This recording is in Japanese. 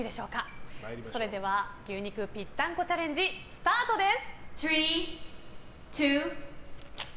それでは、牛肉ぴったんこチャレンジスタートです。